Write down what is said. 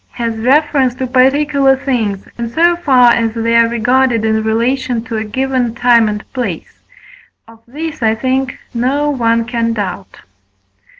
has reference to particular things, in so far as they are regarded in relation to a given time and place: of this, I think, no one can doubt.